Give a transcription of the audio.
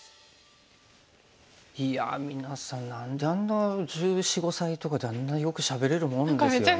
いや皆さん何であんな１４１５歳とかであんなよくしゃべれるもんですよね。